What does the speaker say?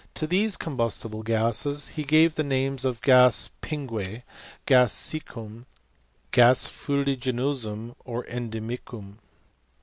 185 these combustible ' gases he gave the names of gas pingu€j'gas siccum, gas Juliginosum, or endimicum.